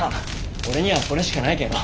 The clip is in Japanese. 俺にはこれしかないけぇの。